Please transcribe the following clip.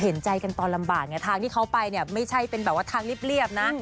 เห็นใจกันตอนลำบากไงทางที่เขาไปเนี่ยไม่ใช่เป็นแบบว่าทางเรียบนะ